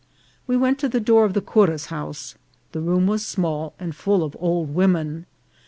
We went to the door of the cura's house ; the room was small, and full of old wom en.